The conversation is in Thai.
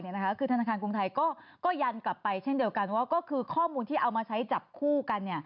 คือธนาคารกรุงไทยก็ยันกลับไปเช่นเดียวกันว่าก็คือข้อมูลที่เอามาใช้จับคู่กัน